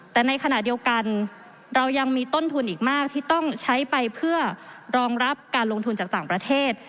แต่ในขณะเดียวกันเรายังมีต้นทุนอีกมากที่ต้องใช้ไปเพื่อรองรับการลงทุนจากต่างประเทศ